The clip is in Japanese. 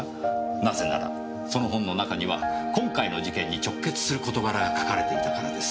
なぜならその本の中には今回の事件に直結する事柄が書かれていたからです。